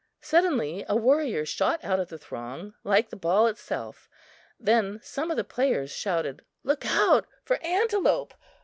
Suddenly a warrior shot out of the throng like the ball itself! Then some of the players shouted: "Look out for Antelope!